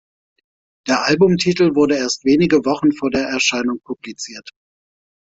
Der Albumtitel wurde erst wenige Wochen vor der Erscheinung publiziert.